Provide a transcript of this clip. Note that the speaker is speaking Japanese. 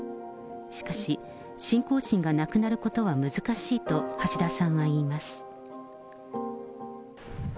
しかし、信仰心がなくなることは難しいと、橋田さんは言います。